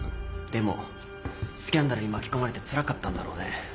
でもスキャンダルに巻き込まれてつらかったんだろうね。